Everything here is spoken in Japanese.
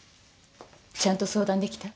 ちゃんと相談できた？